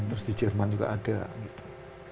terus di jerman juga ada gitu